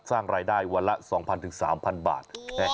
สร้างรายได้วันละ๒๐๐๓๐๐บาท